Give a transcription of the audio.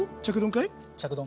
着丼。